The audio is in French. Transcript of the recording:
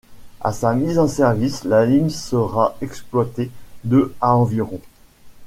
À sa mise en service, la ligne sera exploitée de à environ.